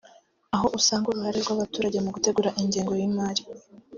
aho usanga uruhare rw’abaturage mu gutegura ingengo y’imari